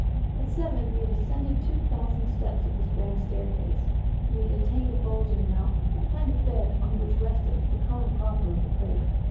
At seven we had ascended the two thousand steps of this grand staircase, and we had attained a bulge in the mountain, a kind of bed on which rested the cone proper of the crater.